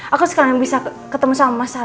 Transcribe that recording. aku sekarang yang bisa ketemu sama mas al